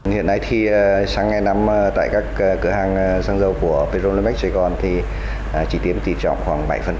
hiện nay thì xăng ai nằm tại các cửa hàng xăng dầu của petrolimex sài gòn thì chỉ tiêm tỷ trọng khoảng bảy